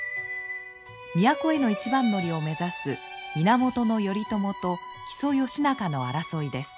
都への一番乗りを目指す源頼朝と木曽義仲の争いです。